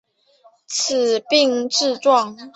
因病致仕。